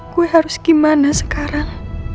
gue harus gimana sekarang